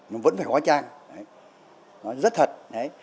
nó vẫn phải hóa trang đấy rất thật đấy